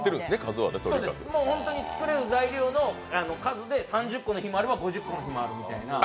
本当に作れる材料の数で３０個の日もあれば５０個の日もあるみたいな。